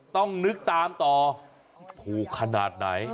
ต้องนึกตามต่อถูกขนาดไหน